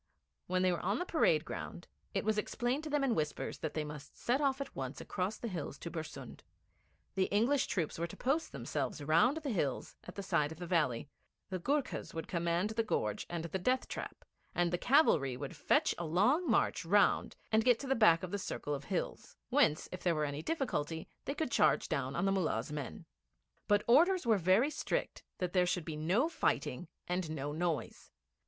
When they were on the parade ground, it was explained to them in whispers that they must set off at once across the hills to Bersund. The English troops were to post themselves round the hills at the side of the valley; the Goorkhas would command the gorge and the death trap, and the cavalry would fetch a long march round and get to the back of the circle of hills, whence, if there were any difficulty, they could charge down on the Mullah's men. But orders were very strict that there should be no fighting and no noise.